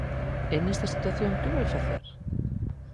E nesa situación ¿que vai facer?